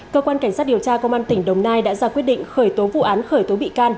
cơ quan cảnh sát điều tra công an tỉnh đồng nai đã ra quyết định khởi tố vụ án khởi tố bị can